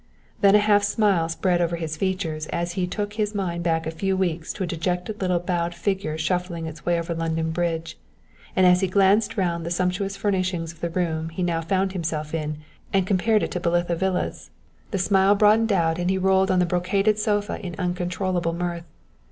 Then a half smile spread itself over his features as he took his mind back a few weeks to a dejected little bowed figure shuffling its way over London Bridge, and as he glanced round the sumptuous furnishings of the room he now found himself in and compared it to Belitha Villas, the smile broadened out and he rolled on the brocaded sofa in uncontrollable mirth.